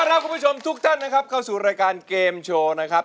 รับคุณผู้ชมทุกท่านนะครับเข้าสู่รายการเกมโชว์นะครับ